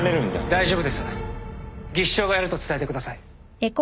大丈夫です技師長がやると伝えてください